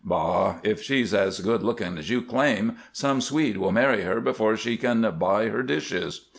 "Bah! If she's as good looking as you claim, some Swede will marry her before she can buy her dishes."